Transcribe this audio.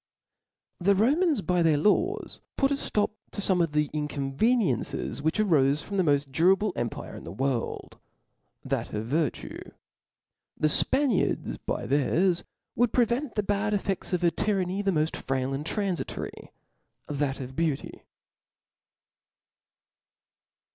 The Romans by their laws, put a ftop to fome of the inconveniencie^ which aroie from the mod durable empire in the world, that of virtue ; the Spaniards by theirs, would prevent the bad ef* ft£t% of a tyranny, the mod frail and tranficory, that of beauty.